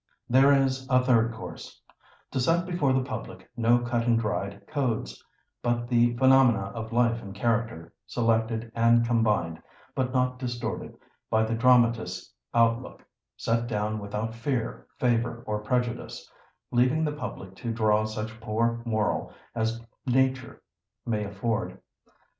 There is a third course: To set before the public no cut and dried codes, but the phenomena of life and character, selected and combined, but not distorted, by the dramatist's outlook, set down without fear, favour, or prejudice, leaving the public to draw such poor moral as nature may afford.